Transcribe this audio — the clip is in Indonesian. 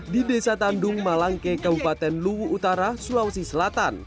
di desa tandung malangke kabupaten luwu utara sulawesi selatan